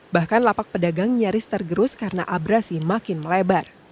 bahkan lapak pedagang nyaris tergerus karena abrasi makin melebar